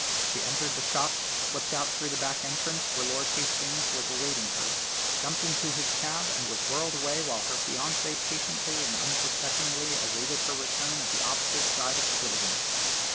She entered the shop, slipped out through the back entrance where Lord Hastings was awaiting her, jumped into his cab, and was whirled away while her fiancé patiently and unsuspectingly awaited her return at the opposite side of the building.